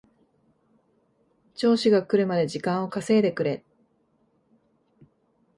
上司が来るまで時間を稼いでくれ